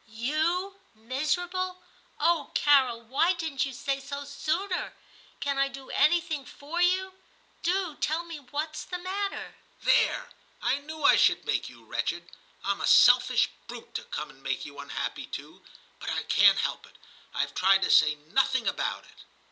*You miserable! Oh, Carol, why didn't you say so sooner ? Can I do anything for you ? Do tell me what's the matter.' * There ! I knew I should make you wretched ; I'm a selfish brute to come and make you unhappy too ; but I can't help it. I 've tried to say nothing about it.'